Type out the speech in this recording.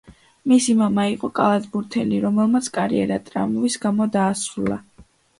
მისი მამა იყო კალათბურთელი, რომელმაც კარიერა ტრამვის გამო დაასრულა.